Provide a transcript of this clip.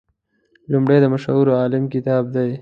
لومړی د مشهور عالم کتاب دی.